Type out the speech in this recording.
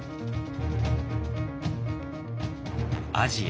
アジア